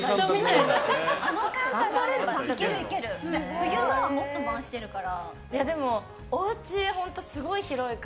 冬場はもっと回してるから。